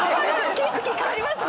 景色変わりますね！